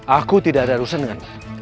aku tidak ada urusan dengan